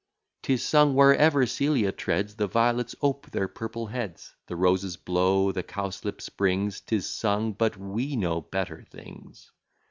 'Tis sung, wherever Celia treads, The violets ope their purple heads; The roses blow, the cowslip springs; 'Tis sung; but we know better things.